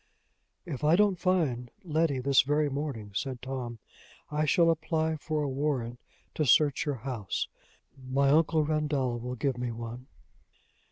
"If I don't find Letty this very morning," said Tom, "I shall apply for a warrant to search your house: my uncle Rendall will give me one."